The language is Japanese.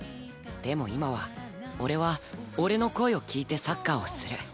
でも今は俺は俺の声を聞いてサッカーをする。